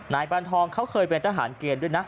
นายปานทองเขาเคยเป็นทหารเกณฑ์ด้วยนะ